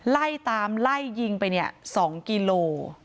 ไล่ตามไล่ยิงไปเนี่ย๒กิโล